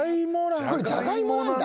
じゃがいもなんだ。